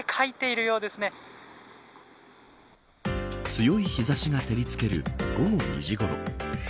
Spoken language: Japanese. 強い日差しが照りつける午後２時ごろ。